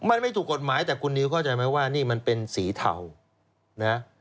มันไม่ถูกกฎหมายแต่คุณนิวเข้าใจไหมว่านี่มันเป็นสีเทานะ